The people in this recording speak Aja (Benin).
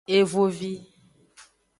Evovi.